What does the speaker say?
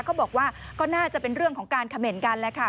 เขาบอกว่าก็น่าจะเป็นเรื่องของการเขม่นกันแหละค่ะ